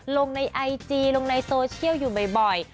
ลงในไอจีลงในโซเชียลอยู่บ่อย